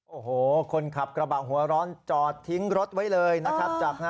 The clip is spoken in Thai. โอ้โหคนขับกระบะหัวร้อนจอดทิ้งรถไว้เลยนะครับ